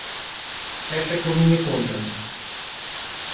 Essa é por minha conta.